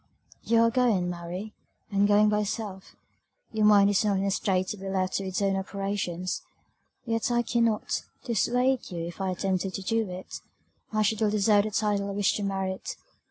"You are going, Mary, and going by yourself; your mind is not in a state to be left to its own operations yet I cannot, dissuade you; if I attempted to do it, I should ill deserve the title I wish to merit.